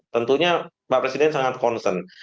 tentunya pak presiden sangat concern